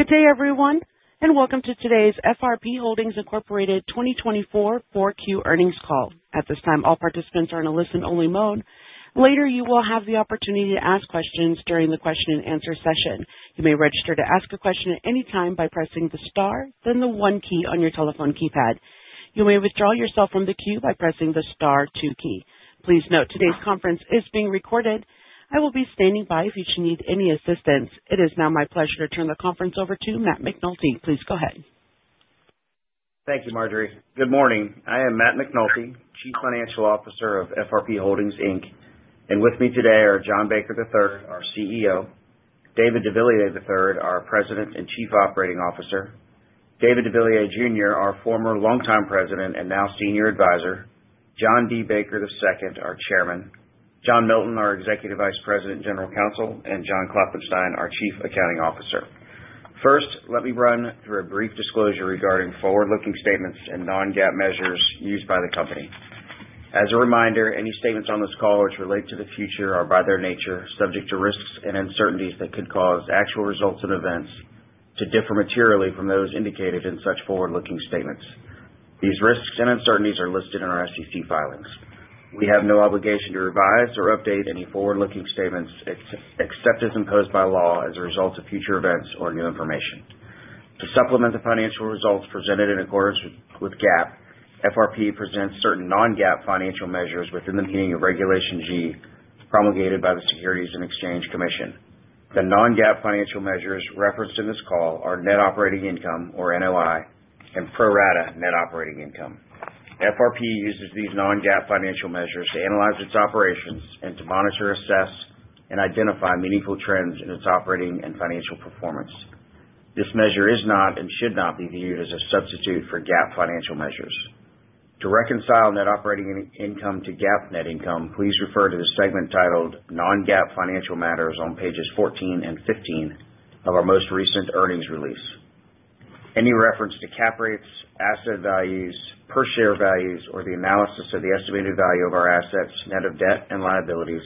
Good day, everyone, and welcome to today's FRP Holdings Incorporated 2024 4Q Earnings Call. At this time, all participants are in a listen-only mode. Later, you will have the opportunity to ask questions during the question and answer session. You may register to ask a question at any time by pressing the star, then the one key on your telephone keypad. You may withdraw yourself from the queue by pressing the star two key. Please note today's conference is being recorded. I will be standing by if you should need any assistance. It is now my pleasure to turn the conference over to Matt McNulty. Please go ahead. Thank you, Marjorie. Good morning. I am Matt McNulty, Chief Financial Officer of FRP Holdings Inc. And with me today are John Baker III, our CEO; David deVilliers III, our President and Chief Operating Officer; David deVilliers Jr., our former longtime President and now Senior Advisor; John D. Baker II, our Chairman; John Milton, our Executive Vice President and General Counsel; and John Klopfenstein, our Chief Accounting Officer. First, let me run through a brief disclosure regarding forward-looking statements and non-GAAP measures used by the company. As a reminder, any statements on this call which relate to the future are, by their nature, subject to risks and uncertainties that could cause actual results and events to differ materially from those indicated in such forward-looking statements. These risks and uncertainties are listed in our SEC filings. We have no obligation to revise or update any forward-looking statements except as imposed by law as a result of future events or new information. To supplement the financial results presented in accordance with GAAP, FRP presents certain non-GAAP financial measures within the meaning of Regulation G promulgated by the Securities and Exchange Commission. The non-GAAP financial measures referenced in this call are net operating income, or NOI, and pro rata net operating income. FRP uses these non-GAAP financial measures to analyze its operations and to monitor, assess, and identify meaningful trends in its operating and financial performance. This measure is not and should not be viewed as a substitute for GAAP financial measures. To reconcile net operating income to GAAP net income, please refer to the segment titled Non-GAAP Financial Matters on pages 14 and 15 of our most recent earnings release. Any reference to cap rates, asset values, per-share values, or the analysis of the estimated value of our assets, net of debt and liabilities,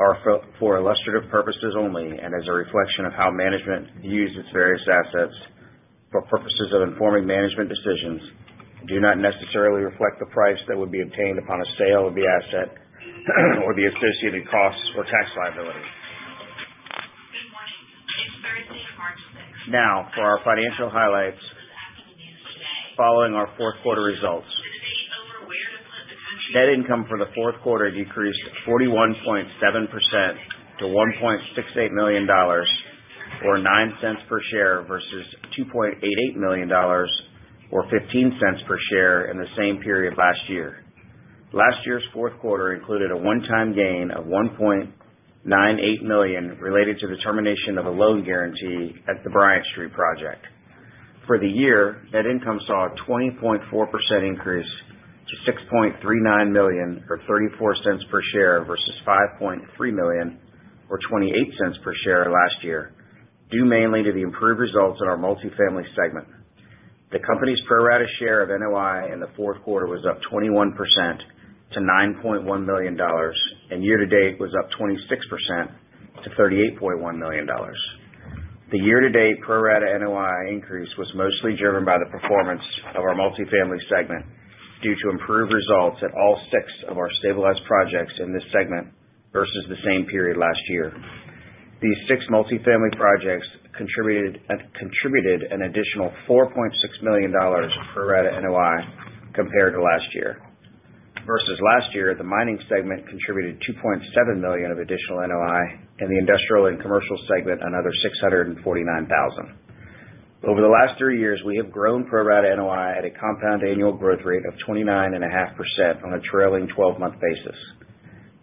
are for illustrative purposes only and as a reflection of how management views its various assets for purposes of informing management decisions and do not necessarily reflect the price that would be obtained upon a sale of the asset or the associated costs or tax liability. Good morning. It's Thursday, March 6. Now, for our financial highlights. We're acting in unison today. Following our fourth quarter results. To debate over where to put the country. Net income for the fourth quarter decreased 41.7% to $1.68 million, or $0.09 per share, versus $2.88 million, or $0.15 per share in the same period last year. Last year's fourth quarter included a one-time gain of $1.98 million related to the termination of a loan guarantee at the Bryant Street project. For the year, net income saw a 20.4% increase to $6.39 million, or $0.34 per share, versus $5.3 million, or $0.28 per share last year, due mainly to the improved results in our multifamily segment. The company's pro rata share of NOI in the fourth quarter was up 21% to $9.1 million, and year-to-date was up 26% to $38.1 million. The year-to-date pro rata NOI increase was mostly driven by the performance of our multifamily segment due to improved results at all six of our stabilized projects in this segment versus the same period last year. These six multifamily projects contributed an additional $4.6 million of pro rata NOI compared to last year. Versus last year, the mining segment contributed $2.7 million of additional NOI, and the industrial and commercial segment another $649,000. Over the last three years, we have grown pro rata NOI at a compound annual growth rate of 29.5% on a trailing 12-month basis.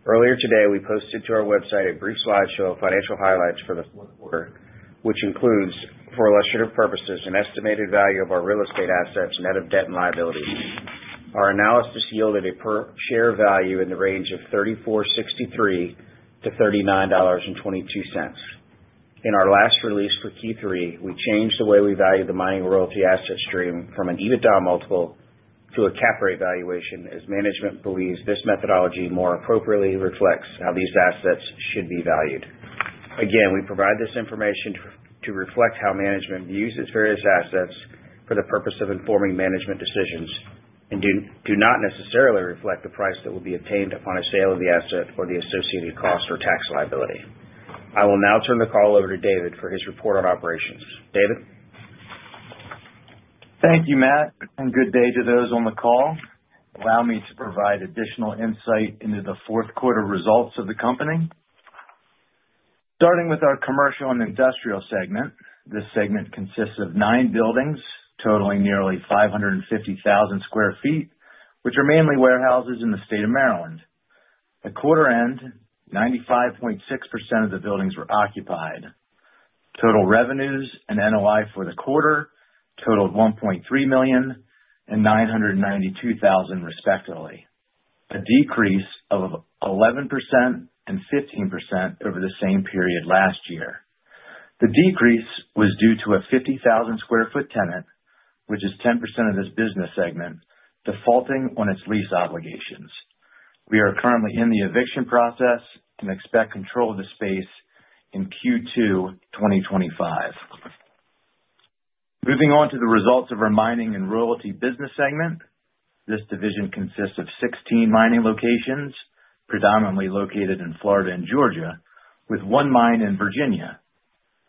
Earlier today, we posted to our website a brief slideshow of financial highlights for the fourth quarter, which includes, for illustrative purposes, an estimated value of our real estate assets, net of debt and liabilities. Our analysis yielded a per-share value in the range of $34.63-$39.22. In our last release for Q3, we changed the way we valued the mining royalty asset stream from an EBITDA multiple to a cap rate valuation as management believes this methodology more appropriately reflects how these assets should be valued. Again, we provide this information to reflect how management views its various assets for the purpose of informing management decisions and do not necessarily reflect the price that would be obtained upon a sale of the asset or the associated cost or tax liability. I will now turn the call over to David for his report on operations. David. Thank you, Matt. Good day to those on the call. Allow me to provide additional insight into the fourth quarter results of the company. Starting with our commercial and industrial segment, this segment consists of nine buildings totaling nearly 550,000 sq ft, which are mainly warehouses in the state of Maryland. At quarter end, 95.6% of the buildings were occupied. Total revenues and NOI for the quarter totaled $1.3 million and $992,000, respectively, a decrease of 11% and 15% over the same period last year. The decrease was due to a 50,000 sq ft tenant, which is 10% of this business segment, defaulting on its lease obligations. We are currently in the eviction process and expect control of the space in Q2 2025. Moving on to the results of our mining and royalty business segment, this division consists of 16 mining locations, predominantly located in Florida and Georgia, with one mine in Virginia.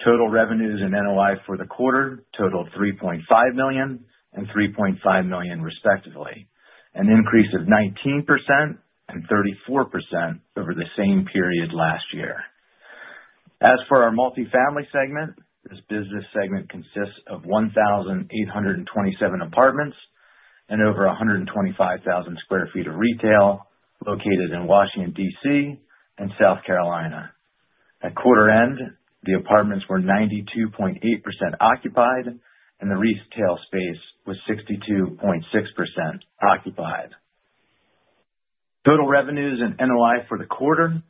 Total revenues and NOI for the quarter totaled $3.5 million and $3.5 million, respectively, an increase of 19% and 34% over the same period last year. As for our multifamily segment, this business segment consists of 1,827 apartments and over 125,000 sq ft of retail located in Washington, D.C., and South Carolina. At quarter end, the apartments were 92.8% occupied, and the retail space was 62.6% occupied. Total revenues and NOI for the quarter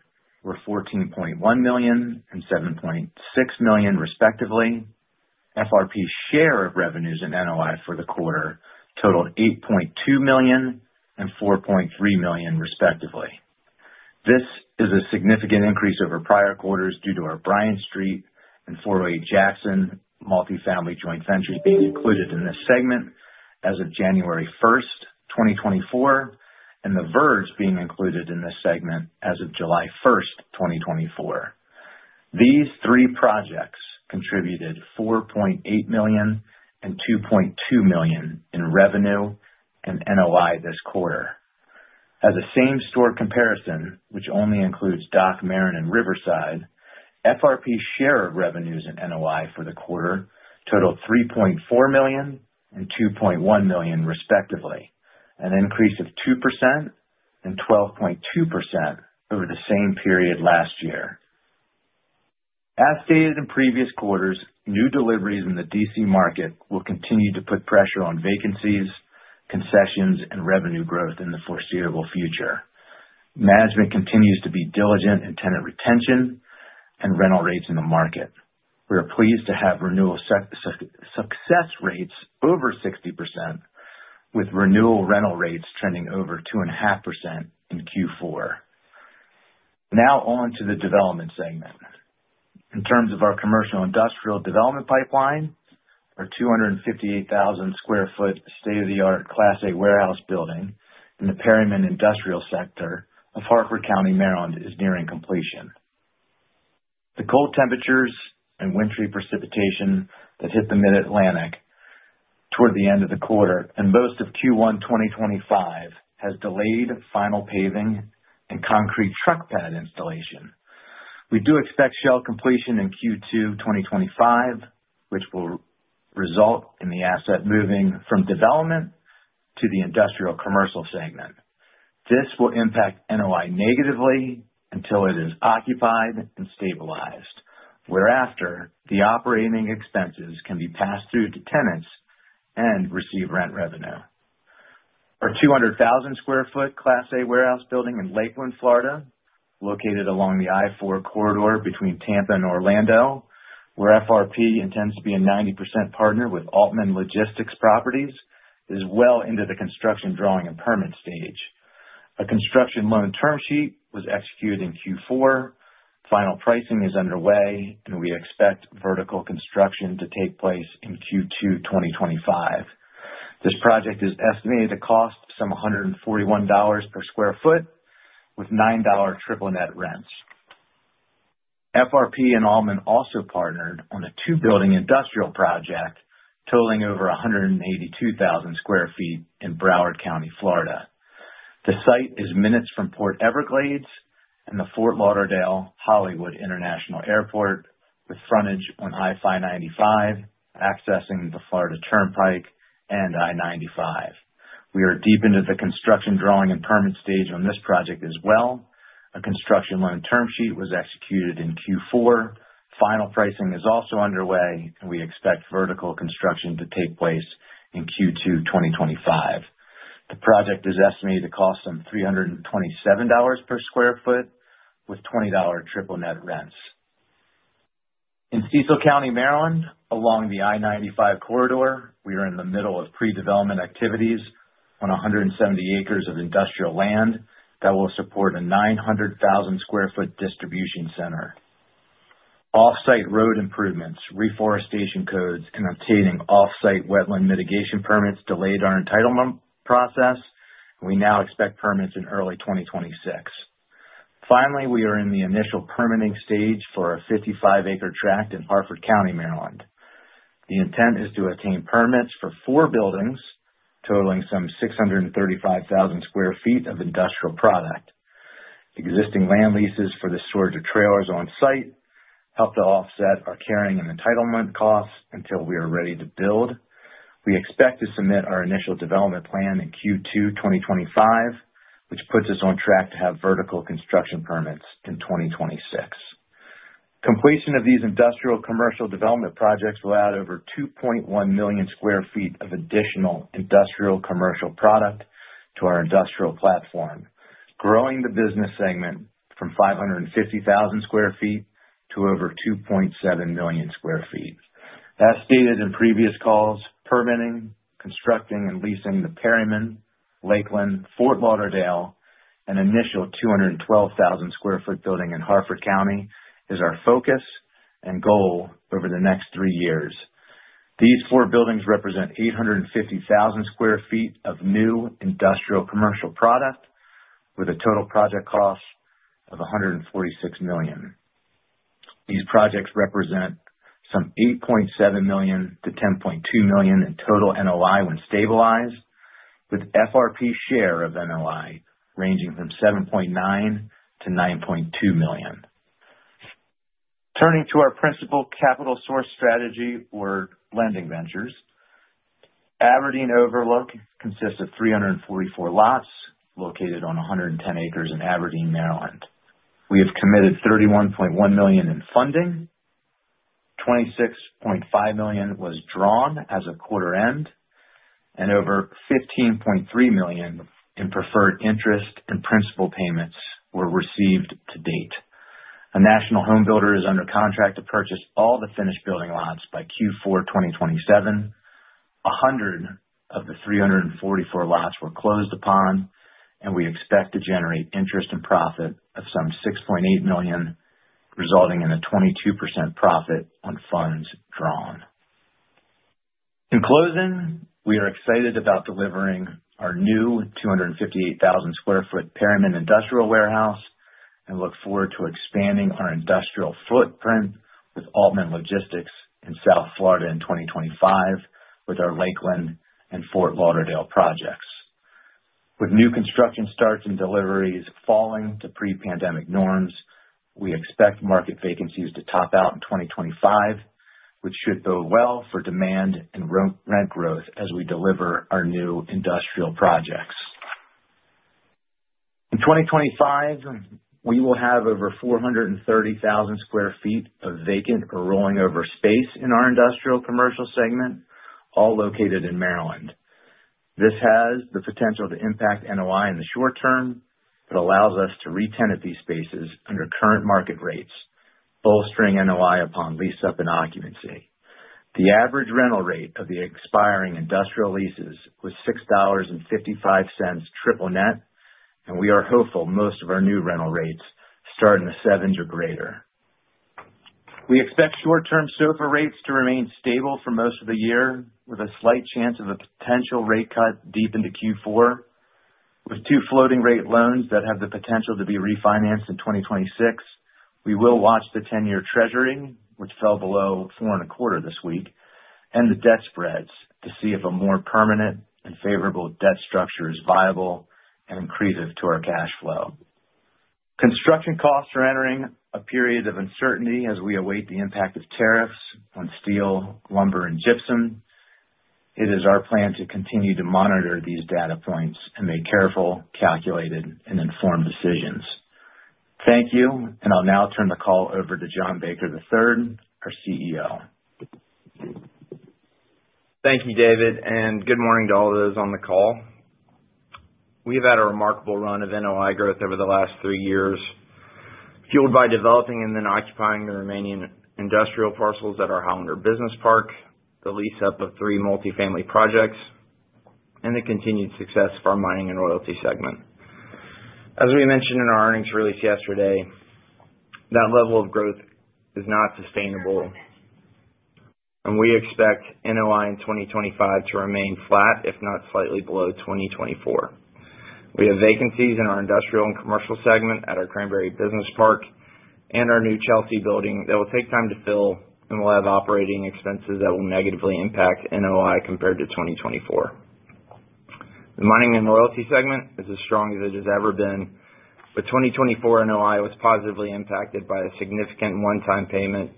were $14.1 million and $7.6 million, respectively. FRP's share of revenues and NOI for the quarter totaled $8.2 million and $4.3 million, respectively. This is a significant increase over prior quarters due to our Bryant Street and 408 Jackson multifamily joint ventures being included in this segment as of January 1st, 2024, and the Verge being included in this segment as of July 1st, 2024. These three projects contributed $4.8 million and $2.2 million in revenue and NOI this quarter. As a same-store comparison, which only includes Dock, Marin, and Riverside, FRP's share of revenues and NOI for the quarter totaled $3.4 million and $2.1 million, respectively, an increase of 2% and 12.2% over the same period last year. As stated in previous quarters, new deliveries in the D.C. market will continue to put pressure on vacancies, concessions, and revenue growth in the foreseeable future. Management continues to be diligent in tenant retention and rental rates in the market. We are pleased to have renewal success rates over 60%, with renewal rental rates trending over 2.5% in Q4. Now on to the development segment. In terms of our commercial-industrial development pipeline, our 258,000 sq ft state-of-the-art Class A warehouse building in the Perryman Industrial Sector of Hartford County, Maryland, is nearing completion. The cold temperatures and wintry precipitation that hit the Mid-Atlantic toward the end of the quarter and most of Q1 2025 has delayed final paving and concrete truck pad installation. We do expect shell completion in Q2 2025, which will result in the asset moving from development to the industrial-commercial segment. This will impact NOI negatively until it is occupied and stabilized, whereafter the operating expenses can be passed through to tenants and receive rent revenue. Our 200,000 sq ft Class A warehouse building in Lakeland, Florida, located along the I-4 corridor between Tampa and Orlando, where FRP intends to be a 90% partner with Altman Logistics Properties, is well into the construction drawing and permit stage. A construction loan term sheet was executed in Q4. Final pricing is underway, and we expect vertical construction to take place in Q2 2025. This project is estimated to cost some $141 per sq ft, with $9 triple-net rents. FRP and Altman also partnered on a two-building industrial project totaling over 182,000 sq ft in Broward County, Florida. The site is minutes from Port Everglades and the Fort Lauderdale-Hollywood International Airport, with frontage on I-595 accessing the Florida Turnpike and I-95. We are deep into the construction drawing and permit stage on this project as well. A construction loan term sheet was executed in Q4. Final pricing is also underway, and we expect vertical construction to take place in Q2 2025. The project is estimated to cost some $327 per sq ft, with $20 triple-net rents. In Cecil County, Maryland, along the I-95 corridor, we are in the middle of pre-development activities on 170 acres of industrial land that will support a 900,000 sq ft distribution center. Off-site road improvements, reforestation codes, and obtaining off-site wetland mitigation permits delayed our entitlement process, and we now expect permits in early 2026. Finally, we are in the initial permitting stage for a 55-acre tract in Hartford County, Maryland. The intent is to obtain permits for four buildings totaling some 635,000 sq ft of industrial product. Existing land leases for the storage of trailers on site help to offset our carrying and entitlement costs until we are ready to build. We expect to submit our initial development plan in Q2 2025, which puts us on track to have vertical construction permits in 2026. Completion of these industrial-commercial development projects will add over 2.1 million sq ft of additional industrial-commercial product to our industrial platform, growing the business segment from 550,000 sq ft to over 2.7 million sq ft. As stated in previous calls, permitting, constructing, and leasing the Perryman, Lakeland, Fort Lauderdale, and initial 212,000 sq ft building in Hartford County is our focus and goal over the next three years. These four buildings represent 850,000 sq ft of new industrial-commercial product, with a total project cost of $146 million. These projects represent some $8.7 million-$10.2 million in total NOI when stabilized, with FRP share of NOI ranging from $7.9 million-$9.2 million. Turning to our principal capital source strategy for lending ventures, Aberdeen Overlook consists of 344 lots located on 110 acres in Aberdeen, Maryland. We have committed $31.1 million in funding. $26.5 million was drawn as of quarter end, and over $15.3 million in preferred interest and principal payments were received to date. A national home builder is under contract to purchase all the finished building lots by Q4 2027. 100 of the 344 lots were closed upon, and we expect to generate interest and profit of some $6.8 million, resulting in a 22% profit on funds drawn. In closing, we are excited about delivering our new 258,000 sq ft Perryman Industrial Warehouse and look forward to expanding our industrial footprint with Altman Logistics in South Florida in 2025 with our Lakeland and Fort Lauderdale projects. With new construction starts and deliveries falling to pre-pandemic norms, we expect market vacancies to top out in 2025, which should bode well for demand and rent growth as we deliver our new industrial projects. In 2025, we will have over 430,000 sq ft of vacant or rolling-over space in our industrial-commercial segment, all located in Maryland. This has the potential to impact NOI in the short term but allows us to re-tenant these spaces under current market rates, bolstering NOI upon lease-up and occupancy. The average rental rate of the expiring industrial leases was $6.55 triple-net, and we are hopeful most of our new rental rates start in the sevens or greater. We expect short-term SOFR rates to remain stable for most of the year, with a slight chance of a potential rate cut deep into Q4. With two floating-rate loans that have the potential to be refinanced in 2026, we will watch the 10-year treasury, which fell below four and a quarter this week, and the debt spreads to see if a more permanent and favorable debt structure is viable and inclusive to our cash flow. Construction costs are entering a period of uncertainty as we await the impact of tariffs on steel, lumber, and gypsum. It is our plan to continue to monitor these data points and make careful, calculated, and informed decisions. Thank you, and I'll now turn the call over to John Baker III, our CEO. Thank you, David, and good morning to all those on the call. We have had a remarkable run of NOI growth over the last three years, fueled by developing and then occupying the remaining industrial parcels at our Hollander Business Park, the lease-up of three multifamily projects, and the continued success of our mining and royalty segment. As we mentioned in our earnings release yesterday, that level of growth is not sustainable, and we expect NOI in 2025 to remain flat, if not slightly below, 2024. We have vacancies in our industrial and commercial segment at our Cranberry Business Park and our new Chelsea building that will take time to fill and will have operating expenses that will negatively impact NOI compared to 2024. The mining and royalty segment is as strong as it has ever been, but 2024 NOI was positively impacted by a significant one-time payment,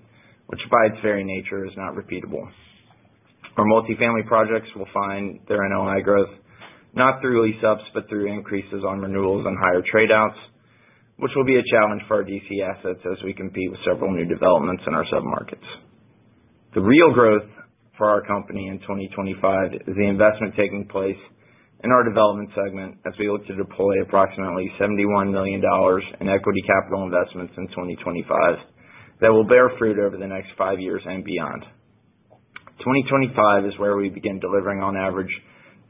which, by its very nature, is not repeatable. Our multifamily projects will find their NOI growth not through lease-ups but through increases on renewals and higher tradeouts, which will be a challenge for our D.C. assets as we compete with several new developments in our submarkets. The real growth for our company in 2025 is the investment taking place in our development segment as we look to deploy approximately $71 million in equity capital investments in 2025 that will bear fruit over the next five years and beyond. 2025 is where we begin delivering, on average,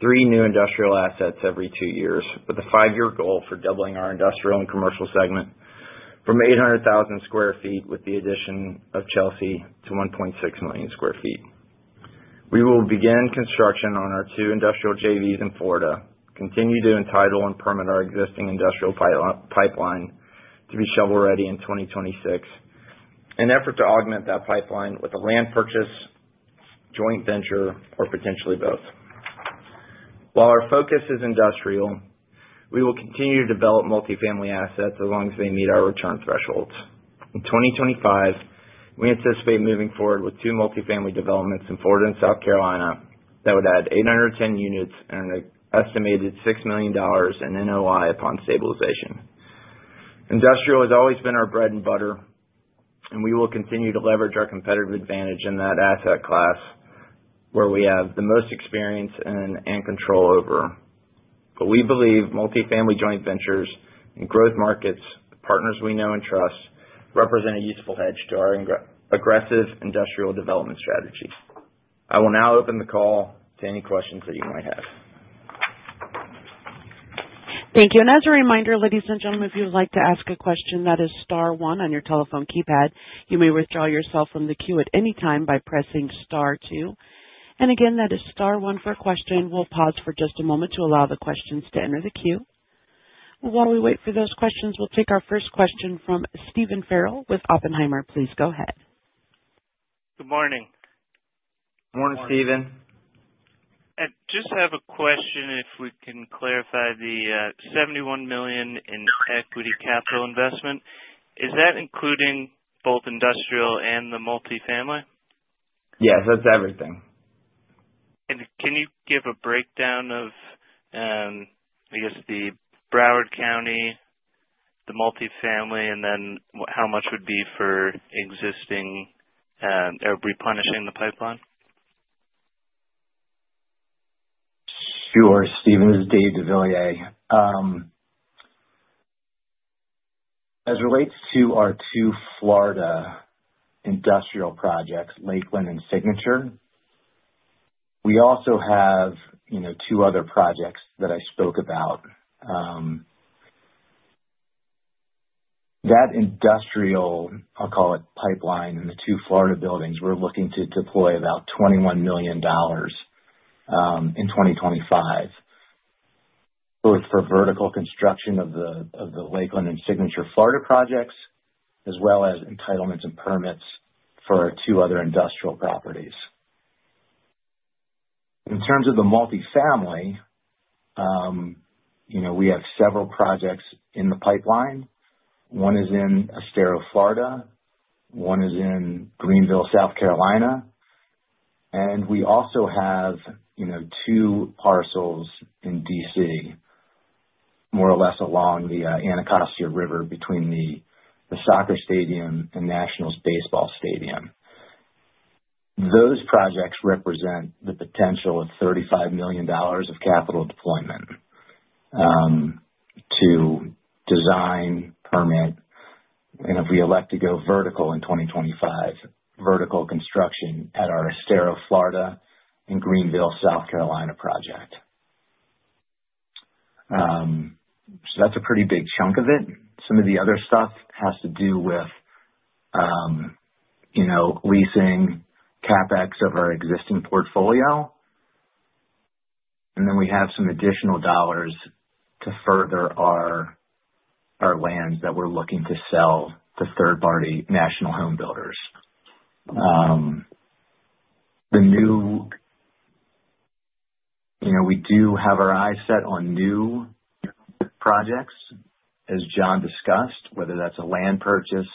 three new industrial assets every two years, with a five-year goal for doubling our industrial and commercial segment from 800,000 sq ft with the addition of Chelsea to 1.6 million sq ft. We will begin construction on our two industrial JVs in Florida, continue to entitle and permit our existing industrial pipeline to be shovel ready in 2026, in an effort to augment that pipeline with a land purchase, joint venture, or potentially both. While our focus is industrial, we will continue to develop multifamily assets as long as they meet our return thresholds. In 2025, we anticipate moving forward with two multifamily developments in Florida and South Carolina that would add 810 units and an estimated $6 million in NOI upon stabilization. Industrial has always been our bread and butter, and we will continue to leverage our competitive advantage in that asset class where we have the most experience and control over. We believe multifamily joint ventures and growth markets, partners we know and trust, represent a useful hedge to our aggressive industrial development strategy. I will now open the call to any questions that you might have. Thank you. As a reminder, ladies and gentlemen, if you would like to ask a question, that is star one on your telephone keypad. You may withdraw yourself from the queue at any time by pressing star two. Again, that is star one for a question. We'll pause for just a moment to allow the questions to enter the queue. While we wait for those questions, we'll take our first question from Stephen Farrell with Oppenheimer. Please go ahead. Good morning. Morning, Stephen. I just have a question if we can clarify the $71 million in equity capital investment. Is that including both industrial and the multifamily? Yes, that's everything. Can you give a breakdown of, I guess, the Broward County, the multifamily, and then how much would be for existing or replenishing the pipeline? Sure. Stephen, this is David deVilliers. As it relates to our two Florida industrial projects, Lakeland and Signature, we also have two other projects that I spoke about. That industrial, I'll call it pipeline, and the two Florida buildings, we're looking to deploy about $21 million in 2025, both for vertical construction of the Lakeland and Signature Florida projects as well as entitlements and permits for our two other industrial properties. In terms of the multifamily, we have several projects in the pipeline. One is in Astero, Florida. One is in Greenville, South Carolina. We also have two parcels in D.C., more or less along the Anacostia River between the soccer stadium and Nationals baseball stadium. Those projects represent the potential of $35 million of capital deployment to design, permit, and if we elect to go vertical in 2025, vertical construction at our Astero, Florida, and Greenville, South Carolina project. That is a pretty big chunk of it. Some of the other stuff has to do with leasing CapEx of our existing portfolio. We have some additional dollars to further our lands that we are looking to sell to third-party national home builders. We do have our eyes set on new projects, as John discussed, whether that is a land purchase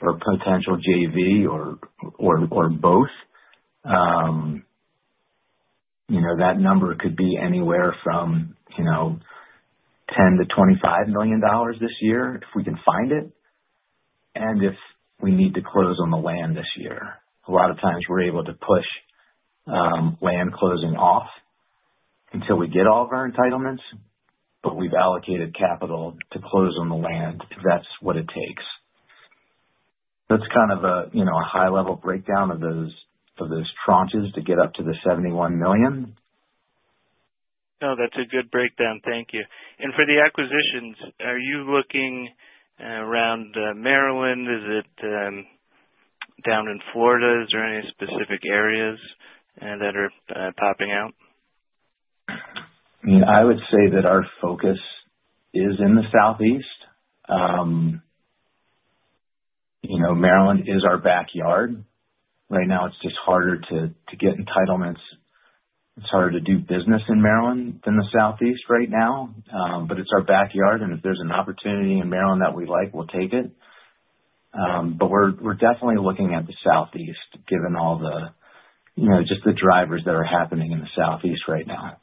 or potential JV or both. That number could be anywhere from $10 million-$25 million this year if we can find it and if we need to close on the land this year. A lot of times, we are able to push land closing off until we get all of our entitlements, but we have allocated capital to close on the land if that is what it takes. That is kind of a high-level breakdown of those tranches to get up to the $71 million. No, that's a good breakdown. Thank you. For the acquisitions, are you looking around Maryland? Is it down in Florida? Is there any specific areas that are popping out? I mean, I would say that our focus is in the southeast. Maryland is our backyard. Right now, it's just harder to get entitlements. It's harder to do business in Maryland than the southeast right now. It's our backyard, and if there's an opportunity in Maryland that we like, we'll take it. We're definitely looking at the southeast, given all the just the drivers that are happening in the southeast right now.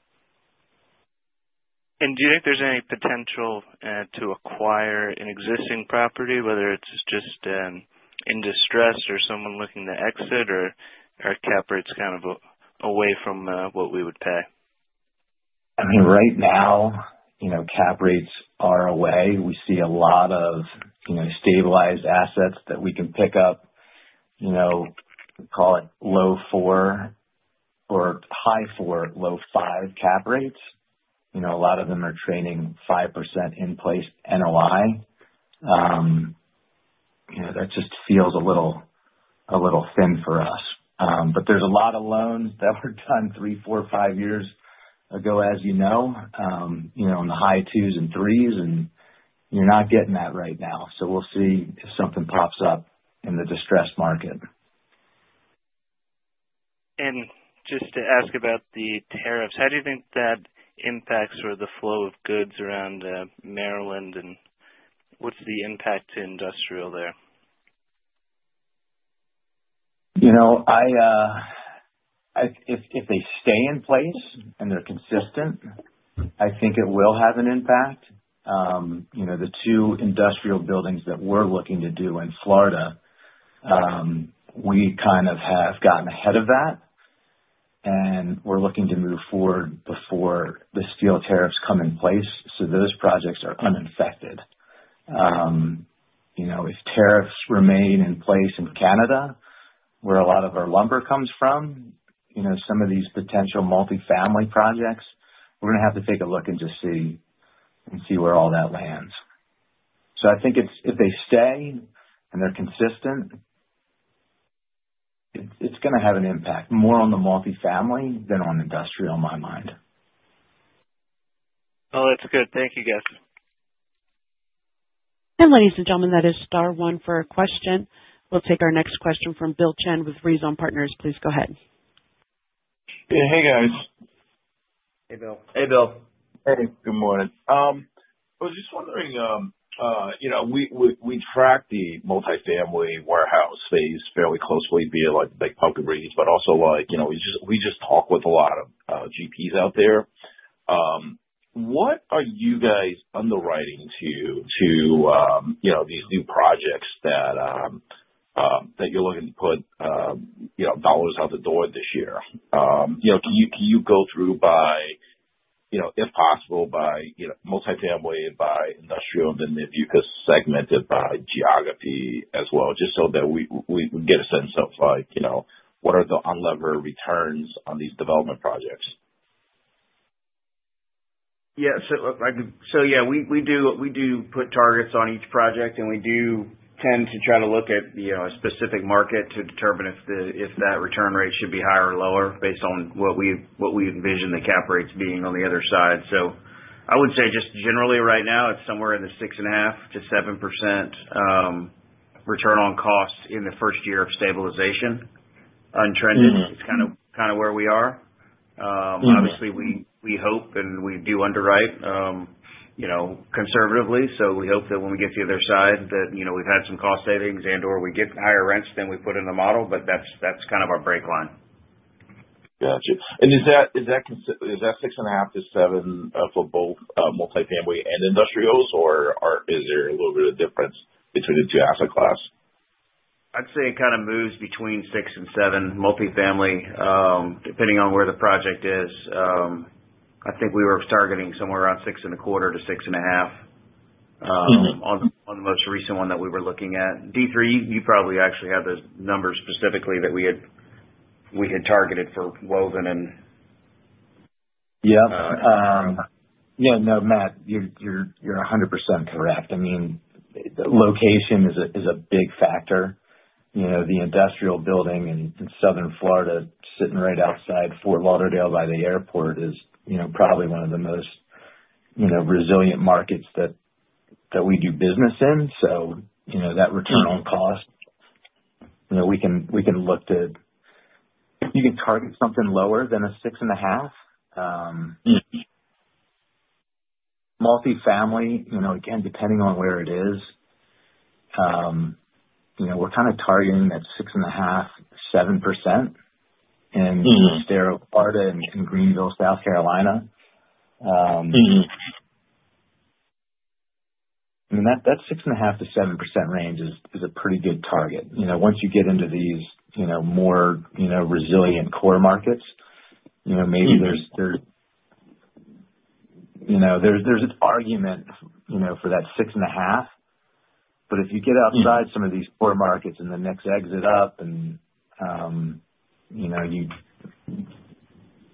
Do you think there's any potential to acquire an existing property, whether it's just in distress or someone looking to exit or cap rates kind of away from what we would pay? I mean, right now, cap rates are away. We see a lot of stabilized assets that we can pick up, call it low four or high four, low five cap rates. A lot of them are trading 5% in place NOI. That just feels a little thin for us. There are a lot of loans that were done three, four, five years ago, as you know, in the high twos and threes, and you're not getting that right now. We will see if something pops up in the distressed market. Just to ask about the tariffs, how do you think that impacts the flow of goods around Maryland and what's the impact to industrial there? If they stay in place and they're consistent, I think it will have an impact. The two industrial buildings that we're looking to do in Florida, we kind of have gotten ahead of that, and we're looking to move forward before the steel tariffs come in place so those projects are unaffected. If tariffs remain in place in Canada, where a lot of our lumber comes from, some of these potential multifamily projects, we're going to have to take a look and just see where all that lands. I think if they stay and they're consistent, it's going to have an impact more on the multifamily than on industrial, in my mind. Oh, that's good. Thank you, guys. Ladies and gentlemen, that is star one for a question. We'll take our next question from Bill Chen with Rhizome Partners. Please go ahead. Hey, guys. Hey, Bill. Hey, Bill. Hey. Good morning. I was just wondering, we track the multifamily warehouse space fairly closely, be it like the big pumping rigs, but also we just talk with a lot of GPs out there. What are you guys underwriting to these new projects that you're looking to put dollars out the door this year? Can you go through, if possible, by multifamily, by industrial, and then if you could segment it by geography as well, just so that we can get a sense of what are the unlevered returns on these development projects? Yeah. Yeah, we do put targets on each project, and we do tend to try to look at a specific market to determine if that return rate should be higher or lower based on what we envision the cap rates being on the other side. I would say just generally right now, it's somewhere in the 6.5%-7% return on cost in the first year of stabilization, untrended. It's kind of where we are. Obviously, we hope and we do underwrite conservatively. We hope that when we get to the other side that we've had some cost savings and/or we get higher rents than we put in the model, but that's kind of our break line. Gotcha. Is that 6.5%-7% for both multifamily and industrials, or is there a little bit of difference between the two asset classes? I'd say it kind of moves between 6% and 7% multifamily, depending on where the project is. I think we were targeting somewhere around 6.25% to 6.5% on the most recent one that we were looking at. D3, you probably actually have those numbers specifically that we had targeted for Woven and. Yeah. Yeah. No, Matt, you're 100% correct. I mean, the location is a big factor. The industrial building in southern Florida, sitting right outside Fort Lauderdale by the airport, is probably one of the most resilient markets that we do business in. That return on cost, we can look to, you can target something lower than a 6.5%. Multifamily, again, depending on where it is, we're kind of targeting that 6.5%-7% in Astero, Florida, and Greenville, South Carolina. I mean, that 6.5%-7% range is a pretty good target. Once you get into these more resilient core markets, maybe there's an argument for that 6.5%. If you get outside some of these core markets and the next exit up,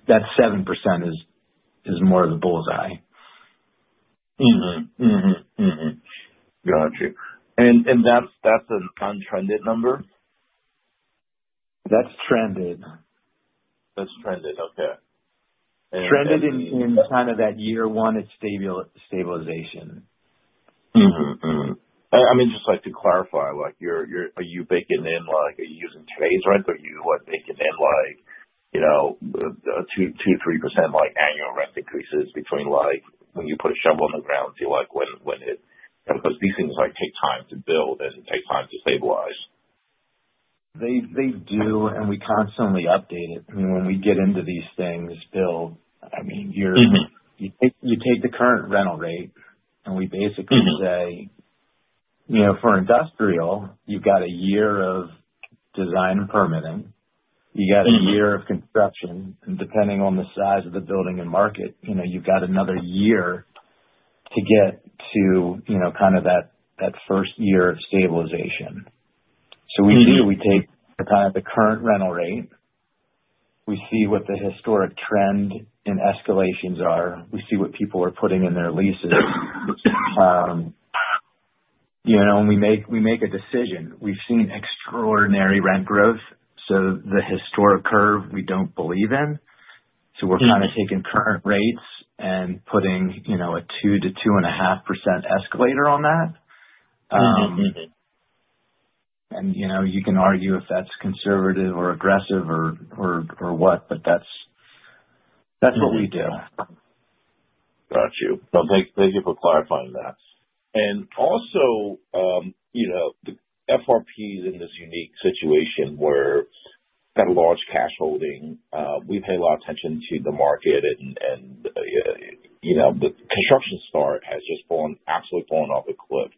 that 7% is more of a bullseye. Gotcha. That's an untrended number? That's trended. That's trended. Okay. Trended in kind of that year one stabilization. I mean, just to clarify, are you baking in, are you using today's rent? Are you baking in 2%-3% annual rent increases between when you put a shovel in the ground to when it, because these things take time to build and take time to stabilize? They do, and we constantly update it. I mean, when we get into these things, Bill, I mean, you take the current rental rate, and we basically say, for industrial, you have a year of design and permitting. You have a year of construction. Depending on the size of the building and market, you have another year to get to kind of that first year of stabilization. We do. We take kind of the current rental rate. We see what the historic trend and escalations are. We see what people are putting in their leases. We make a decision. We have seen extraordinary rent growth. The historic curve, we do not believe in. We are kind of taking current rates and putting a 2%-2.5% escalator on that. You can argue if that is conservative or aggressive or what, but that is what we do. Gotcha. Thank you for clarifying that. Also, FRP is in this unique situation where it's got a large cash holding. We pay a lot of attention to the market, and the construction start has just absolutely fallen off a cliff.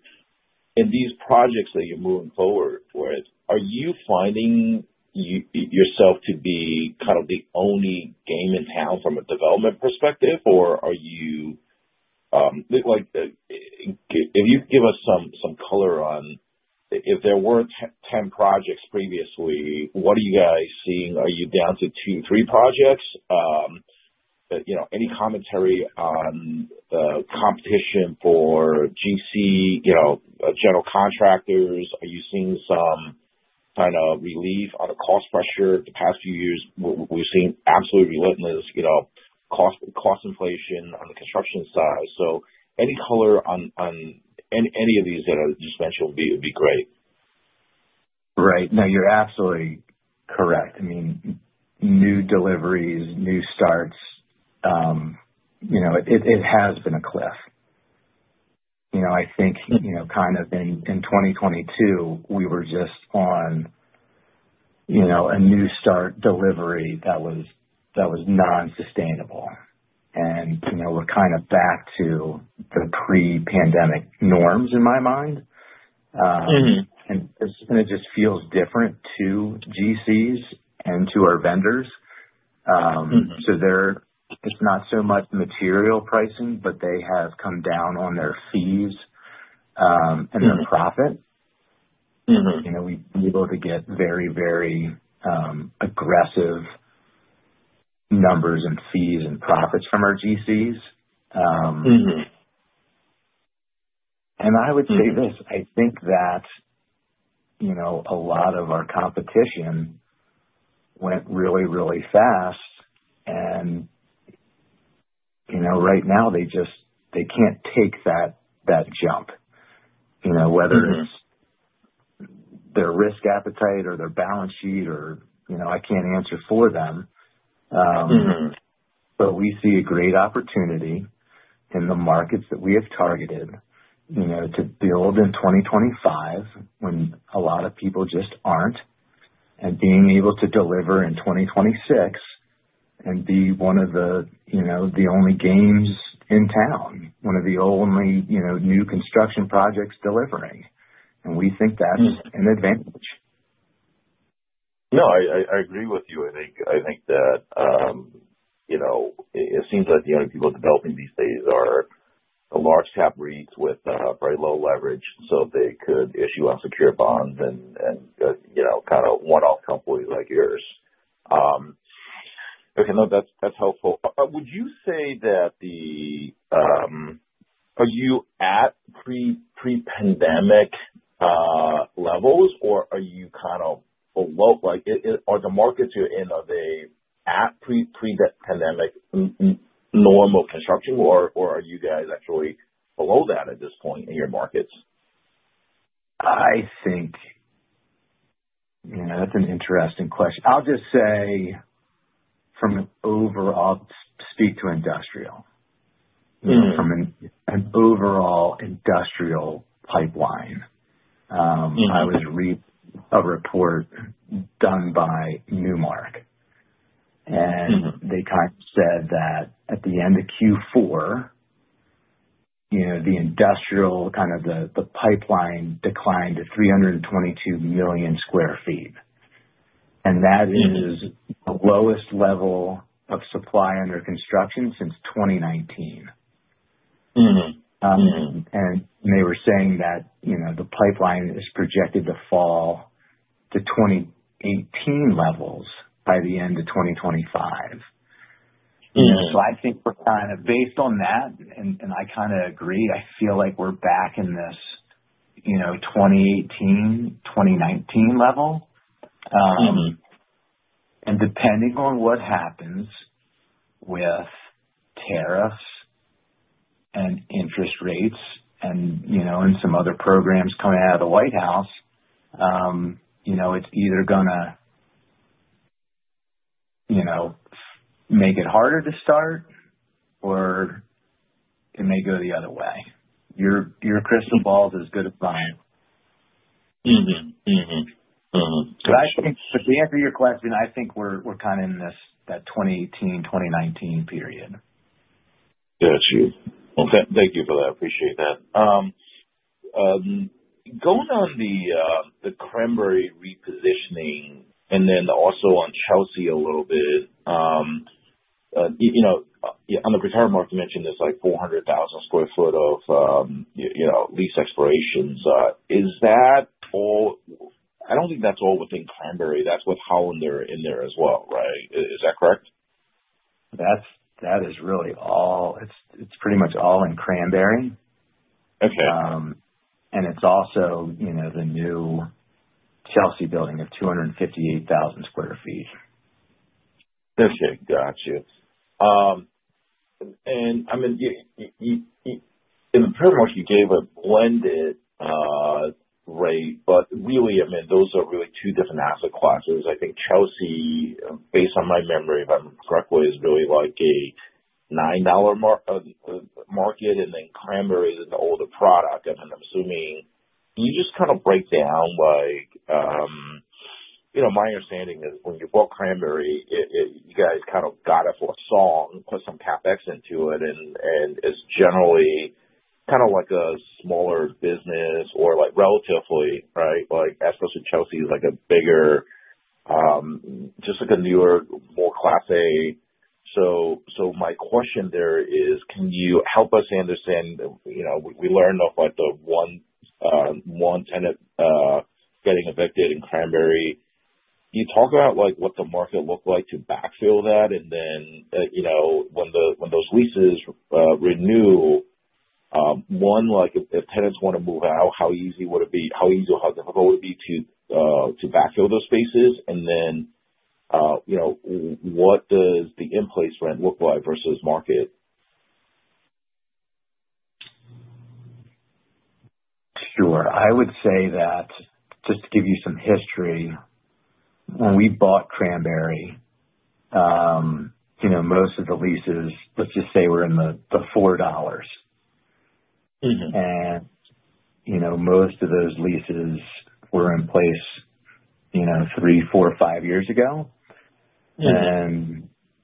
In these projects that you're moving forward with, are you finding yourself to be kind of the only game in town from a development perspective, or if you could give us some color on, if there were 10 projects previously, what are you guys seeing? Are you down to two, three projects? Any commentary on competition for GC, general contractors? Are you seeing some kind of relief on the cost pressure the past few years? We've seen absolute relentless cost inflation on the construction side. Any color on any of these that are just mentioned would be great. Right. No, you're absolutely correct. I mean, new deliveries, new starts, it has been a cliff. I think kind of in 2022, we were just on a new start delivery that was non-sustainable. We're kind of back to the pre-pandemic norms, in my mind. It just feels different to GCs and to our vendors. It's not so much material pricing, but they have come down on their fees and their profit. We've been able to get very, very aggressive numbers and fees and profits from our GCs. I would say this. I think that a lot of our competition went really, really fast. Right now, they can't take that jump, whether it's their risk appetite or their balance sheet or I can't answer for them. We see a great opportunity in the markets that we have targeted to build in 2025 when a lot of people just aren't, and being able to deliver in 2026 and be one of the only games in town, one of the only new construction projects delivering. We think that's an advantage. No, I agree with you. I think that it seems like the only people developing these days are large cap rates with very low leverage so they could issue unsecured bonds and kind of one-off companies like yours. Okay. No, that's helpful. Would you say that the are you at pre-pandemic levels, or are you kind of below? Are the markets you're in, are they at pre-pandemic normal construction, or are you guys actually below that at this point in your markets? I think that's an interesting question. I'll just say, from an overall speak to industrial, from an overall industrial pipeline, I was reading a report done by Newmark. They kind of said that at the end of Q4, the industrial kind of the pipeline declined to 322 million sq ft. That is the lowest level of supply under construction since 2019. They were saying that the pipeline is projected to fall to 2018 levels by the end of 2025. I think we're kind of based on that, and I kind of agree. I feel like we're back in this 2018, 2019 level. Depending on what happens with tariffs and interest rates and some other programs coming out of the White House, it's either going to make it harder to start or it may go the other way. Your crystal ball's as good as mine. To answer your question, I think we're kind of in that 2018, 2019 period. Gotcha. Okay. Thank you for that. Appreciate that. Going on the Cranberry repositioning and then also on Chelsea a little bit, on the retail market, you mentioned there's like 400,000 sq ft of lease expirations. Is that all? I don't think that's all within Cranberry. That's with Hollander in there as well, right? Is that correct? That is really all. It's pretty much all in Cranberry. And it's also the new Chelsea building of 258,000 sq ft. Okay. Gotcha. I mean, in the prior market, you gave a blended rate, but really, I mean, those are really two different asset classes. I think Chelsea, based on my memory, if I'm correct, was really like a $9 market, and then Cranberry is an older product. I'm assuming, can you just kind of break down? My understanding is when you bought Cranberry, you guys kind of got it for a song, put some CapEx into it, and it's generally kind of like a smaller business or relatively, right? As opposed to Chelsea is like a bigger, just like a newer, more Class A. My question there is, can you help us understand? We learned of the one tenant getting evicted in Cranberry. Can you talk about what the market looked like to backfill that? When those leases renew, one, if tenants want to move out, how easy would it be? How easy or how difficult would it be to backfill those spaces? What does the in-place rent look like versus market? Sure. I would say that, just to give you some history, when we bought Cranberry, most of the leases, let's just say, were in the $4. And most of those leases were in place three, four, five years ago.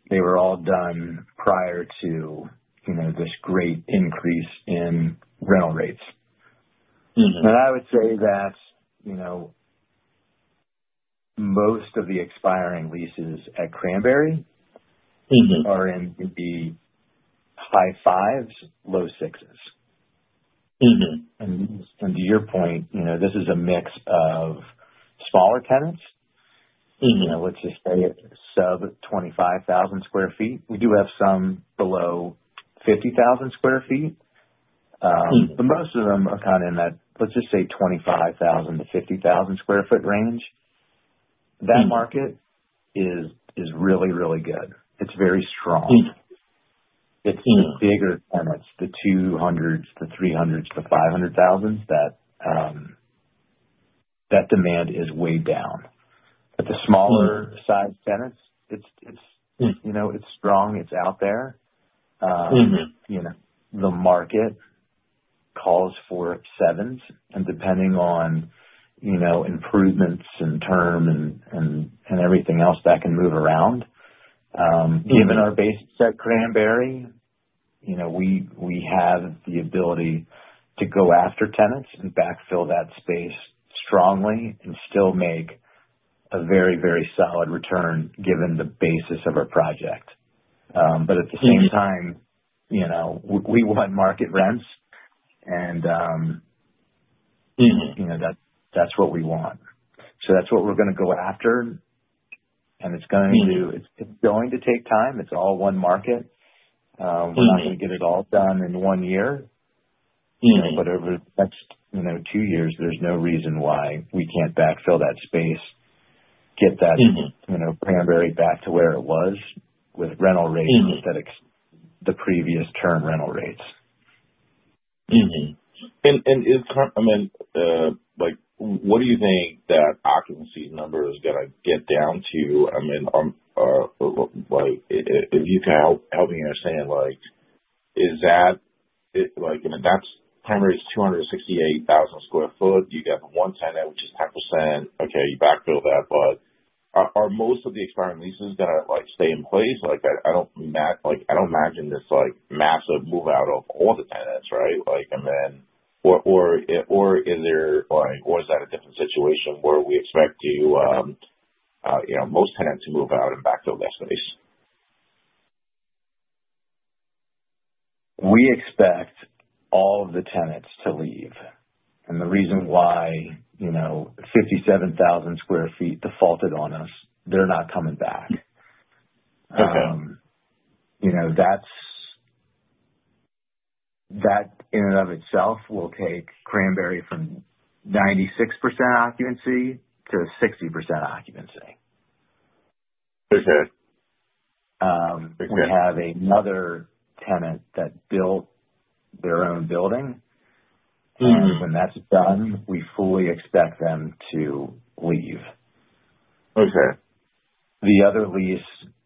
They were all done prior to this great increase in rental rates. I would say that most of the expiring leases at Cranberry are in the high fives, low sixes. To your point, this is a mix of smaller tenants. Let's just say sub-25,000 sq ft. We do have some below 50,000 sq ft. Most of them are kind of in that, let's just say, 25,000-50,000 sq ft range. That market is really, really good. It's very strong. The bigger tenants, the 200s, the 300s, the 500,000s, that demand is way down. The smaller-sized tenants, it's strong. It's out there. The market calls for sevens. Depending on improvements in term and everything else that can move around, given our basis at Cranberry, we have the ability to go after tenants and backfill that space strongly and still make a very, very solid return given the basis of our project. At the same time, we want market rents, and that's what we want. That's what we're going to go after. It's going to take time. It's all one market. We're not going to get it all done in one year. Over the next two years, there's no reason why we can't backfill that space, get that Cranberry back to where it was with rental rates instead of the previous term rental rates. What do you think that occupancy number is going to get down to? I mean, if you can help me understand, is that Cranberry's 268,000 sq ft? You got the one tenant, which is 10%. Okay. You backfill that. But are most of the expiring leases going to stay in place? I don't imagine this massive move-out of all the tenants, right? I mean, or is there, or is that a different situation where we expect most tenants to move out and backfill that space? We expect all of the tenants to leave. The reason why 57,000 sq ft defaulted on us, they're not coming back. That in and of itself will take Cranberry from 96% occupancy to 60% occupancy. We have another tenant that built their own building. When that's done, we fully expect them to leave. The other lease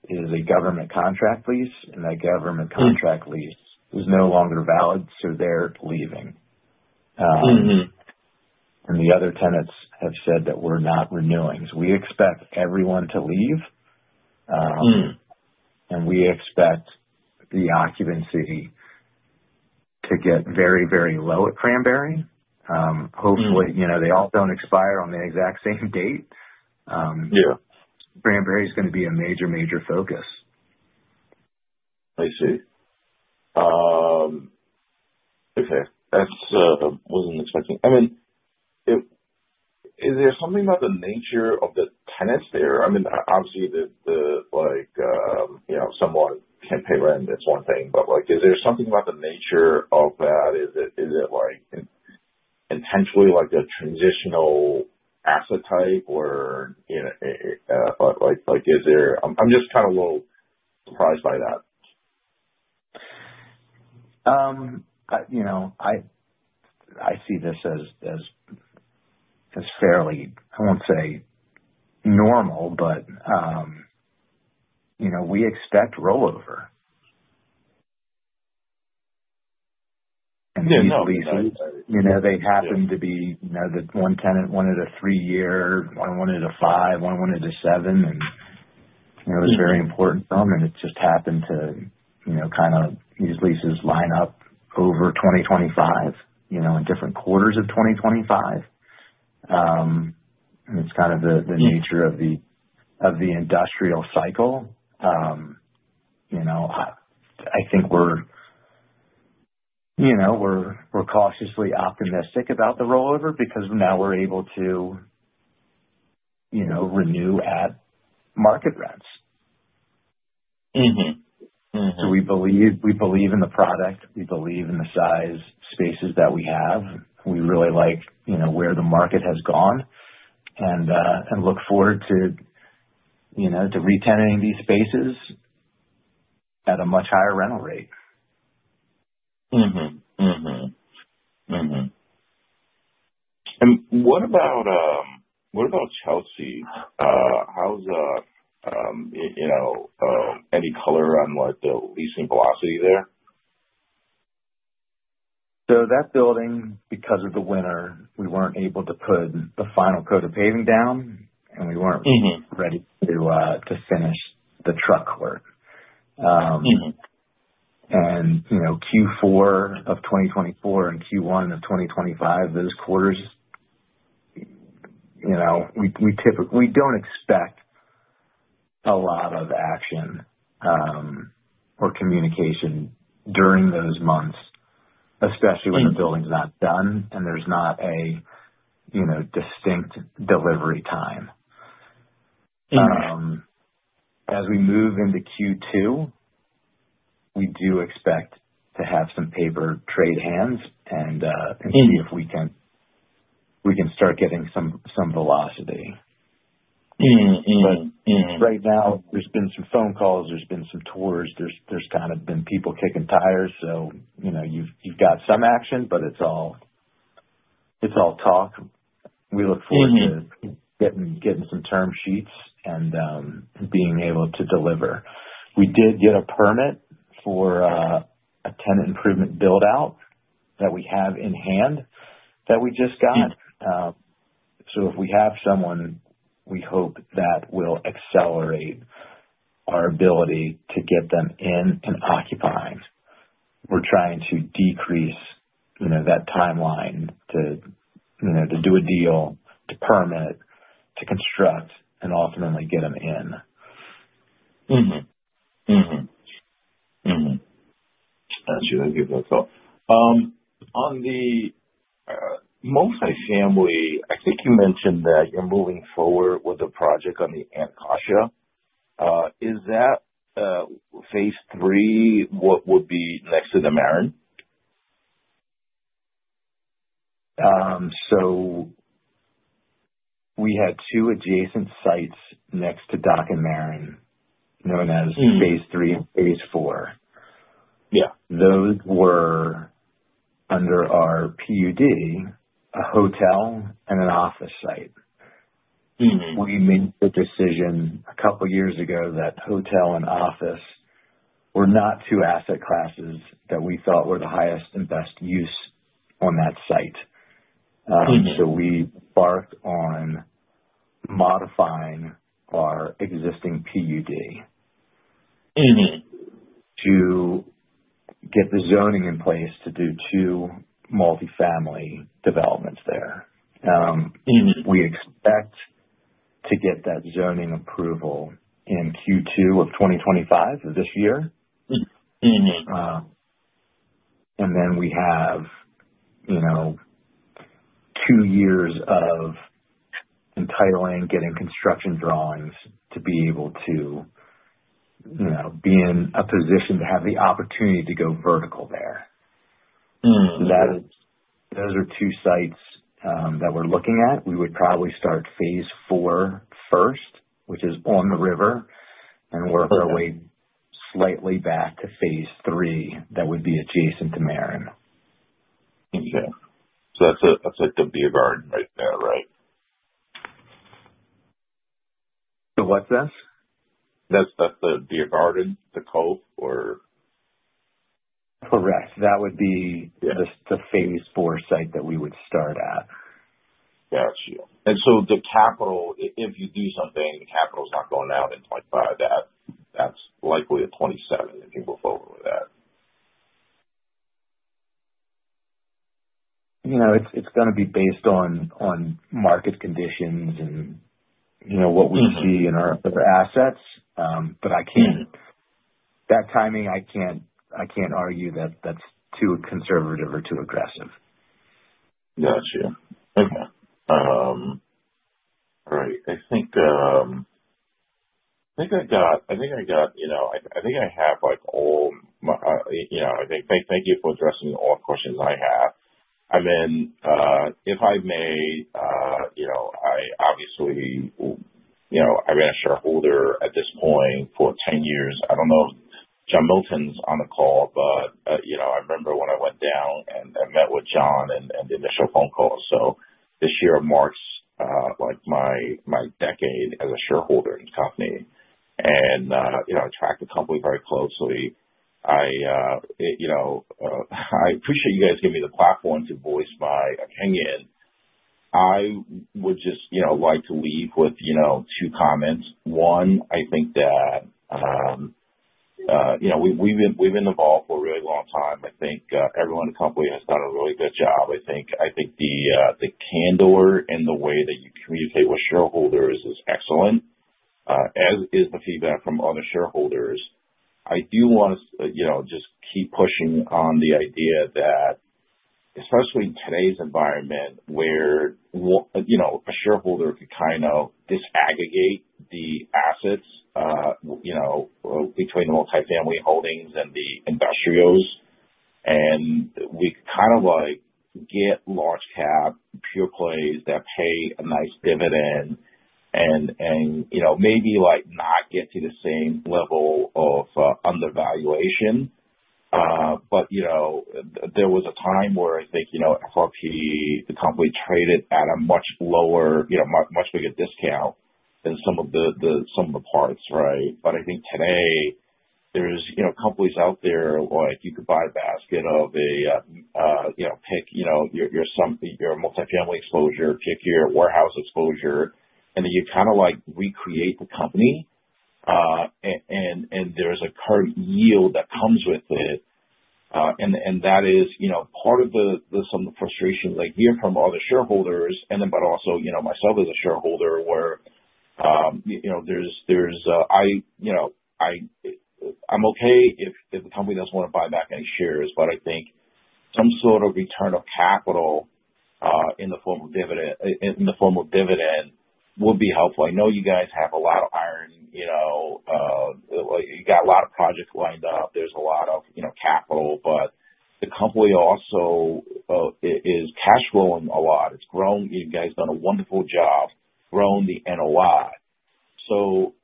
is a government contract lease. That government contract lease is no longer valid, so they're leaving. The other tenants have said that we're not renewing. We expect everyone to leave. We expect the occupancy to get very, very low at Cranberry. Hopefully, they all do not expire on the exact same date. Cranberry is going to be a major, major focus. I see. Okay. I wasn't expecting. I mean, is there something about the nature of the tenants there? I mean, obviously, someone can't pay rent. That's one thing. Is there something about the nature of that? Is it intentionally a transitional asset type? Or is there, I'm just kind of a little surprised by that. I see this as fairly, I won't say normal, but we expect rollover. These leases, they happen to be one tenant wanted a three-year, one wanted a five, one wanted a seven. It was very important for them. It just happened to kind of these leases line up over 2025, in different quarters of 2025. It is kind of the nature of the industrial cycle. I think we're cautiously optimistic about the rollover because now we're able to renew at market rents. We believe in the product. We believe in the size spaces that we have. We really like where the market has gone and look forward to retenting these spaces at a much higher rental rate. What about Chelsea? How's any color on the leasing velocity there? That building, because of the winter, we were not able to put the final coat of paving down, and we were not ready to finish the truck work. In Q4 of 2024 and Q1 of 2025, those quarters, we do not expect a lot of action or communication during those months, especially when the building is not done and there is not a distinct delivery time. As we move into Q2, we do expect to have some paper trade hands and see if we can start getting some velocity. Right now, there have been some phone calls. There have been some tours. There have kind of been people kicking tires. You have got some action, but it is all talk. We look forward to getting some term sheets and being able to deliver. We did get a permit for a tenant improvement build-out that we have in hand that we just got. If we have someone, we hope that will accelerate our ability to get them in and occupying. We're trying to decrease that timeline to do a deal, to permit, to construct, and ultimately get them in. Gotcha. Thank you for that thought. On the multifamily, I think you mentioned that you're moving forward with a project on the Anacostia. Is that phase III, what would be next to the Marin? We had two adjacent sites next to Dock and Marin known as phase III and phase IV. Those were under our PUD, a hotel and an office site. We made the decision a couple of years ago that hotel and office were not two asset classes that we thought were the highest and best use on that site. We embarked on modifying our existing PUD to get the zoning in place to do two multifamily developments there. We expect to get that zoning approval in Q2 of 2025 of this year. We have two years of entitling, getting construction drawings to be able to be in a position to have the opportunity to go vertical there. Those are two sites that we're looking at. We would probably start phase iV first, which is on the river, and work our way slightly back to phase three that would be adjacent to Marin. Okay. So that's at the Beer Garden right there, right? What's this? That's the Beer Garden, the Culp, or? Correct. That would be the phase four site that we would start at. Gotcha. If you do something, the capital's not going out in 2025. That's likely a 2027 if you move forward with that. It's going to be based on market conditions and what we see in our assets. That timing, I can't argue that that's too conservative or too aggressive. Gotcha. Okay. All right. I think I got I think I have all my I think thank you for addressing all questions I have. I mean, if I may, I obviously I ran a shareholder at this point for 10 years. I do not know if John Milton's on the call, but I remember when I went down and met with John and the initial phone call. This year marks my decade as a shareholder in the company. I track the company very closely. I appreciate you guys giving me the platform to voice my opinion. I would just like to leave with two comments. One, I think that we've been involved for a really long time. I think everyone in the company has done a really good job. I think the candor and the way that you communicate with shareholders is excellent, as is the feedback from other shareholders. I do want to just keep pushing on the idea that, especially in today's environment where a shareholder could kind of disaggregate the assets between the multifamily holdings and the industrials, and we kind of get large-cap pure plays that pay a nice dividend and maybe not get to the same level of undervaluation. There was a time where I think FRP, the company traded at a much lower, much bigger discount than some of the parts, right? I think today, there's companies out there like you could buy a basket of a pick your multifamily exposure, pick your warehouse exposure, and then you kind of recreate the company. There's a current yield that comes with it. That is part of some of the frustration that I hear from other shareholders, but also myself as a shareholder where there's, I'm okay if the company doesn't want to buy back any shares, but I think some sort of return of capital in the form of dividend would be helpful. I know you guys have a lot of iron. You got a lot of projects lined up. There's a lot of capital. The company also is cash flowing a lot. You guys have done a wonderful job growing the NOI.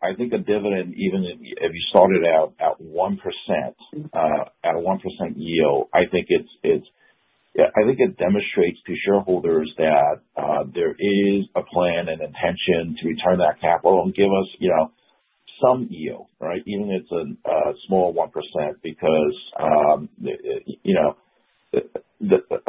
I think a dividend, even if you started out at 1%, at a 1% yield, I think it demonstrates to shareholders that there is a plan and intention to return that capital and give us some yield, right? Even if it's a small 1% because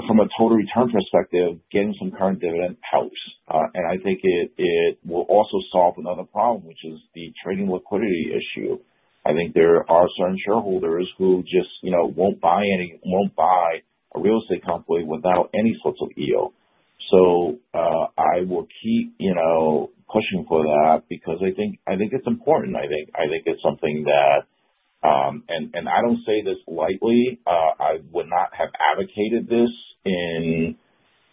from a total return perspective, getting some current dividend helps. I think it will also solve another problem, which is the trading liquidity issue. I think there are certain shareholders who just won't buy a real estate company without any sorts of yield. I will keep pushing for that because I think it's important. I think it's something that, and I don't say this lightly, I would not have advocated this in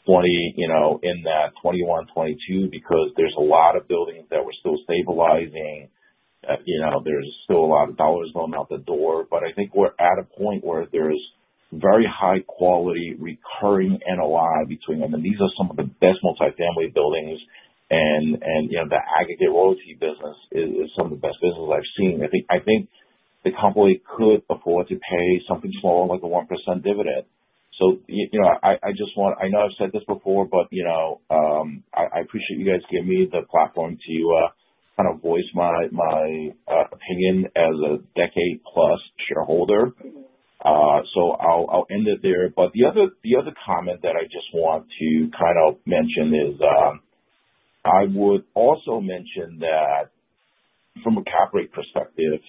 2021, 2022 because there's a lot of buildings that we're still stabilizing. There's still a lot of dollars going out the door. I think we're at a point where there's very high-quality recurring NOI between them. These are some of the best multifamily buildings. The aggregate royalty business is some of the best business I've seen. I think the company could afford to pay something small like a 1% dividend. I just want, I know I've said this before, but I appreciate you guys giving me the platform to kind of voice my opinion as a decade-plus shareholder. I'll end it there. The other comment that I just want to kind of mention is I would also mention that from a cap rate perspective,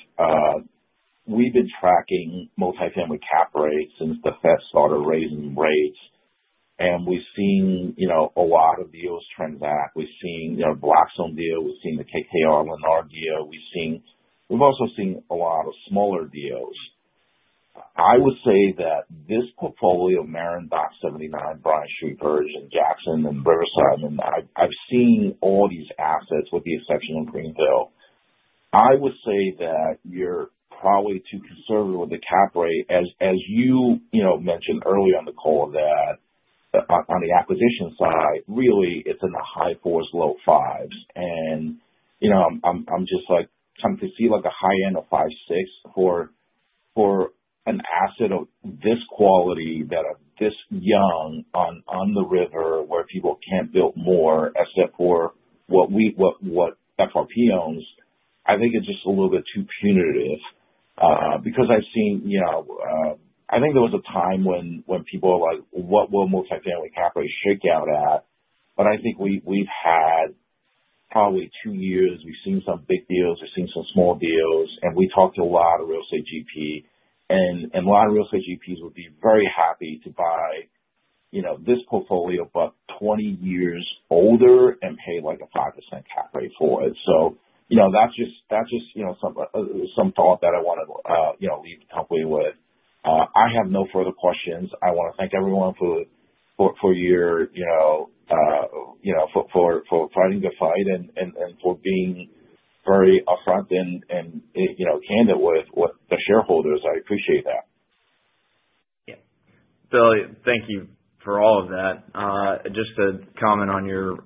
we've been tracking multifamily cap rates since the Fed started raising rates. We've seen a lot of deals transact. We've seen the Blackstone deal. We've seen the KKR-Lennar deal. We've also seen a lot of smaller deals. I would say that this portfolio, Marin, Dock 79, Bryant Street, Hersh, and Jackson and Riverside, and I've seen all these assets with the exception of Greenville. I would say that you're probably too conservative with the cap rate, as you mentioned earlier on the call, that on the acquisition side, really, it's in the high fours, low fives. I'm just coming to see a high end of five, six for an asset of this quality that is this young on the river where people can't build more except for what FRP owns. I think it's just a little bit too punitive because I've seen I think there was a time when people were like, "What will multifamily cap rates shake out at?" I think we've had probably two years. We've seen some big deals. We've seen some small deals. We talked to a lot of real estate GP. A lot of real estate GPs would be very happy to buy this portfolio but 20 years older and pay a 5% cap rate for it. That is just some thought that I want to leave the company with. I have no further questions. I want to thank everyone for fighting the fight and for being very upfront and candid with the shareholders. I appreciate that. Yeah. Billy, thank you for all of that. Just to comment on your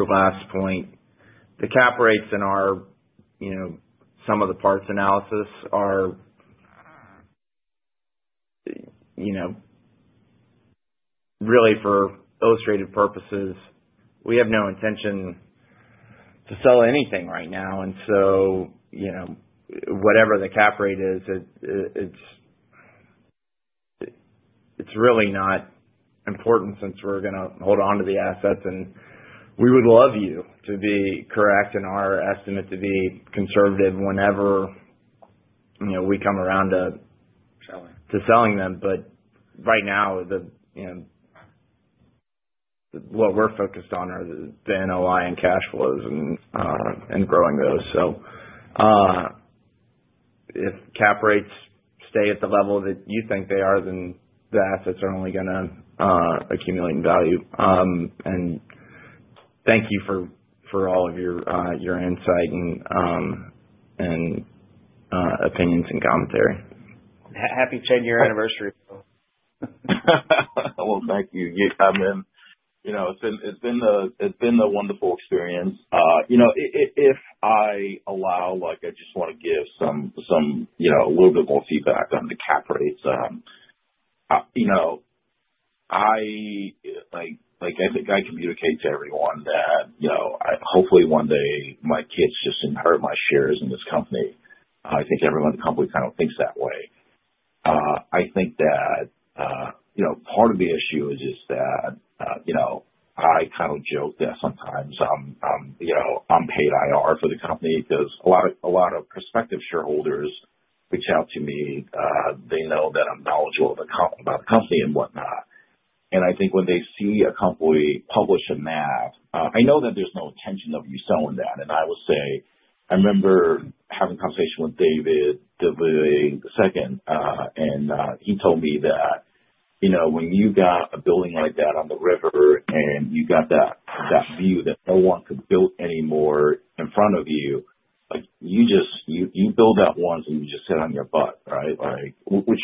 last point, the cap rates in some of the parts analysis are really, for illustrative purposes, we have no intention to sell anything right now. Whatever the cap rate is, it's really not important since we're going to hold on to the assets. We would love you to be correct in our estimate to be conservative whenever we come around to selling them. Right now, what we're focused on are the NOI and cash flows and growing those. If cap rates stay at the level that you think they are, then the assets are only going to accumulate in value. Thank you for all of your insight and opinions and commentary. Happy 10-year anniversary. Thank you. I mean, it's been a wonderful experience. If I allow, I just want to give a little bit more feedback on the cap rates. I think I communicate to everyone that hopefully one day my kids just inherit my shares in this company. I think everyone in the company kind of thinks that way. I think that part of the issue is just that I kind of joke that sometimes I'm paid IR for the company because a lot of prospective shareholders reach out to me. They know that I'm knowledgeable about the company and whatnot. I think when they see a company publish a map, I know that there's no intention of you selling that. I will say I remember having a conversation with David deVilliers II, and he told me that when you got a building like that on the river and you got that view that no one could build any more in front of you, you build that once and you just sit on your butt, right? Which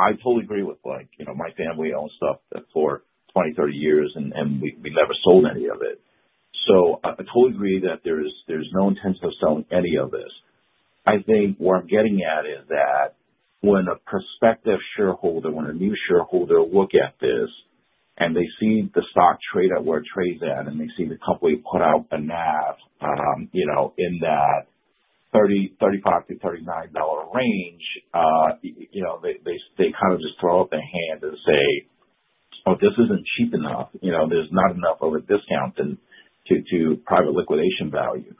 I totally agree with. My family owns stuff for 20, 30 years, and we never sold any of it. I totally agree that there's no intention of selling any of this. I think what I'm getting at is that when a prospective shareholder, when a new shareholder looks at this and they see the stock trade at where it trades at and they see the company put out a NAV in that $35-$39 range, they kind of just throw up their hand and say, "Oh, this isn't cheap enough. There's not enough of a discount to private liquidation value.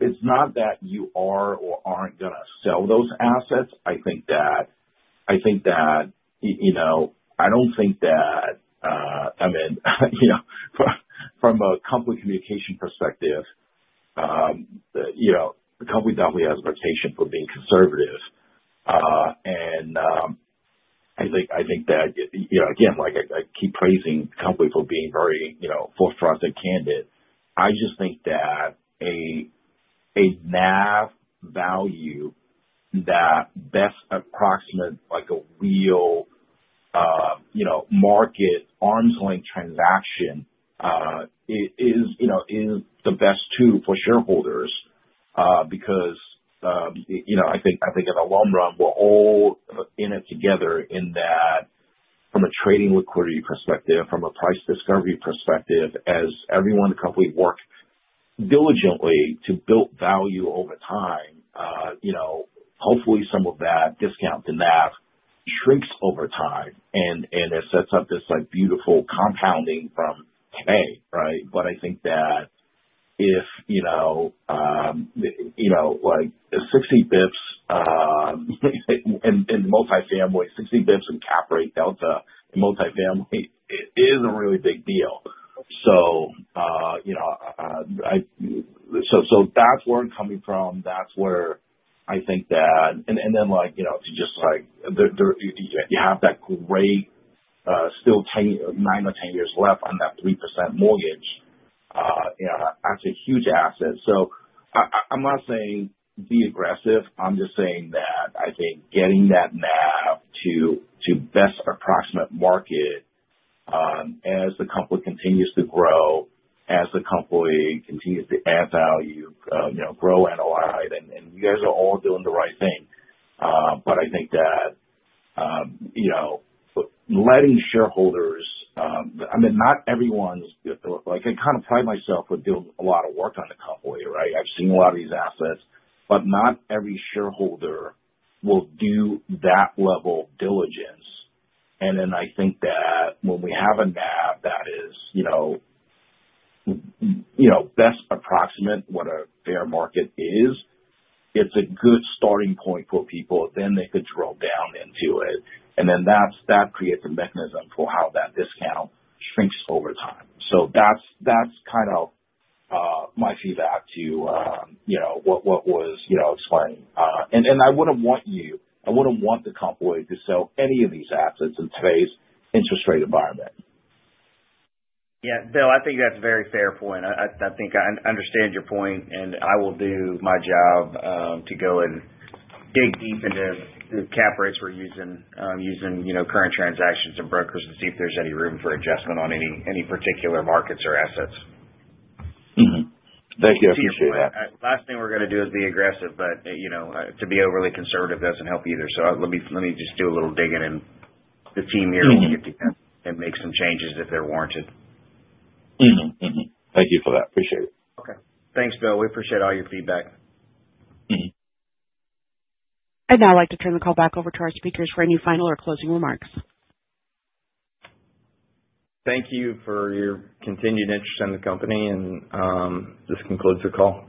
It's not that you are or aren't going to sell those assets. I think that, I think that, I don't think that, I mean, from a company communication perspective, the company definitely has a reputation for being conservative. I think that, again, I keep praising the company for being very forthfront and candid. I just think that a NAV value that best approximates a real market arm's length transaction is the best too for shareholders because I think in the long run, we're all in it together in that from a trading liquidity perspective, from a price discovery perspective, as everyone in the company works diligently to build value over time, hopefully some of that discount to NAV shrinks over time and it sets up this beautiful compounding from today, right? I think that if 60 basis points in multifamily, 60 basis points in cap rate delta in multifamily is a really big deal. That is where I am coming from. That is where I think that, and then just like you have that great still nine to ten years left on that 3% mortgage. That is a huge asset. I am not saying be aggressive. I am just saying that I think getting that NAV to best approximate market as the company continues to grow, as the company continues to add value, grow NOI, and you guys are all doing the right thing. I think that letting shareholders, I mean, not everyone is, I kind of pride myself with doing a lot of work on the company, right? I have seen a lot of these assets, but not every shareholder will do that level of diligence. I think that when we have a NAV that is best approximate what a fair market is, it's a good starting point for people. They could drill down into it. That creates a mechanism for how that discount shrinks over time. That's kind of my feedback to what was explained. I wouldn't want you, I wouldn't want the company to sell any of these assets in today's interest rate environment. Yeah. Bill, I think that's a very fair point. I think I understand your point, and I will do my job to go and dig deep into the cap rates we're using, current transactions, and brokers to see if there's any room for adjustment on any particular markets or assets. Thank you. I appreciate that. Last thing we're going to do is be aggressive, but to be overly conservative doesn't help either. Let me just do a little digging, and the team here will get to make some changes if they're warranted. Thank you for that. Appreciate it. Okay. Thanks, Bill. We appreciate all your feedback. I'd now like to turn the call back over to our speakers for any final or closing remarks. Thank you for your continued interest in the company, and this concludes the call.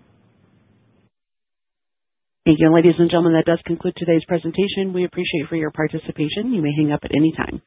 Thank you. Ladies and gentlemen, that does conclude today's presentation. We appreciate your participation. You may hang up at any time.